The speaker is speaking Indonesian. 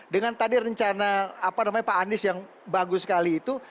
dengan tadi rencana pak anies yang bagus sekali itu